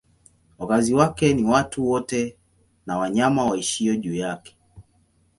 Wakazi wake ni watu wote na wanyama waishio juu yake.